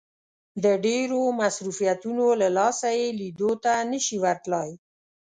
د ډېرو مصروفيتونو له لاسه يې ليدو ته نه شي ورتلای.